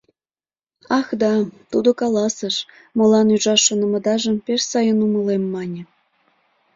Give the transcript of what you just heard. Ах, да, тудо каласыш, молан ӱжаш шонымыдажым пеш сайын умылем, мане.